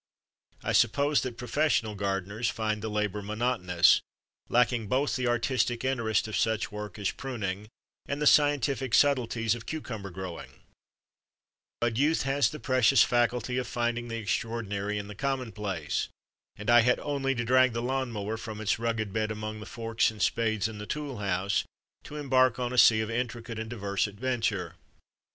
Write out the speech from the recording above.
I suppose that profes sional gardeners find the labour monotonous, lacking both the artistic interest of such work as pruning and the scientific subtleties of cucumber growing ; but youth has the precious faculty of finding the extraordinary in the commonplace, and I had only to drag the lawn mower from its rugged bed among the forks and spades in the tool house, to embark on a sea of intricate and diverse adventure.